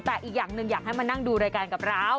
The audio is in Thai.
แต่อีกอย่างหนึ่งอยากให้มานั่งดูรายการกับเรา